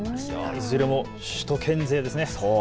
いずれも首都圏勢ですね。